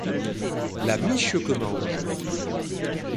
La miche que mange